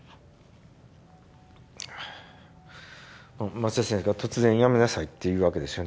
松田先生が突然「やめなさい」って言うわけですよね。